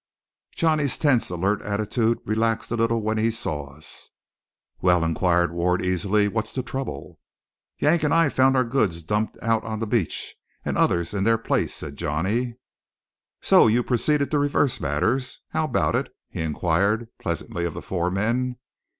Johnny's tense, alert attitude relaxed a little when he saw us. "Well?" inquired Ward easily. "What's the trouble?" "Yank and I found our goods dumped out on the beach, and others in their place," said Johnny. "So you proceeded to reverse matters? How about it?" he inquired pleasantly of the four men.